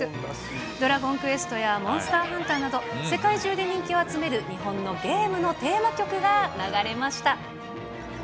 ドラゴンクエストやモンスターハンターなど、世界中で人気を集める日本のゲームのテーマ曲が流れました。